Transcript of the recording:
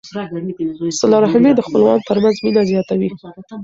صله رحمي د خپلوانو ترمنځ مینه زیاتوي.